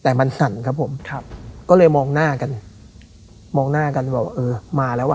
แต่มันสั่นครับผมครับก็เลยมองหน้ากันมองหน้ากันบอกเออมาแล้วอ่ะ